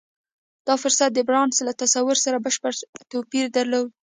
دا فرصت د بارنس له تصور سره بشپړ توپير درلود.